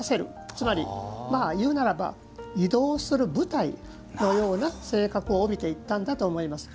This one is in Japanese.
つまり、言うならば移動する舞台のような性格を帯びていったんだと思います。